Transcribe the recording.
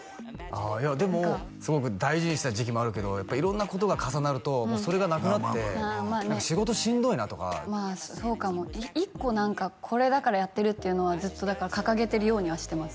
あいやでもすごく大事にした時期もあるけどやっぱり色んなことが重なるとそれがなくなって何か仕事しんどいなとかまあそうかも一個何かこれだからやってるっていうのはずっとだから掲げてるようにはしてます